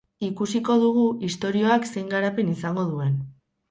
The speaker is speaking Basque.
Ikusiko dugu istorioak zein garapen izango duen.